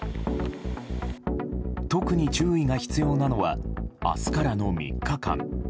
特に注意が必要なのは明日からの３日間。